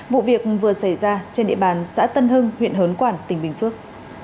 vụ việc vừa xảy ra trên địa bàn xã tân hưng huyện hớn quản tỉnh bình phước